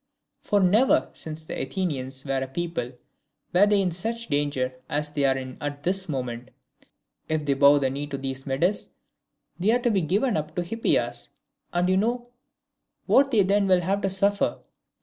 For never, since the Athenians were a people, were they in such danger as they are in at this moment. If they bow the knee to these Medes, they are to be given up to Hippias, and you know what they then will have to suffer.